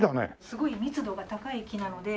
すごい密度が高い木なので。